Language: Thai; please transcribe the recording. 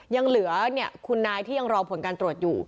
ยังเหลือคุณนายที่ยังรอผลการตรวจอยู่